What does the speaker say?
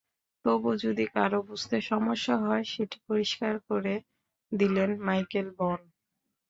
তবু যদি কারও বুঝতে সমস্যা হয়, সেটি পরিষ্কার করে দিলেন মাইকেল ভন।